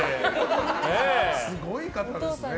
すごい方ですね。